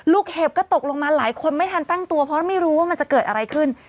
เห็บก็ตกลงมาหลายคนไม่ทันตั้งตัวเพราะไม่รู้ว่ามันจะเกิดอะไรขึ้น